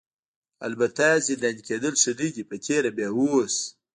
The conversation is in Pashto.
البته زنداني کیدل ښه نه دي په تېره بیا اوس.